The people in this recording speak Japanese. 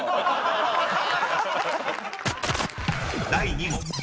［第２問。